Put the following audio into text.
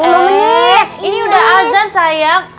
ini udah azan sayang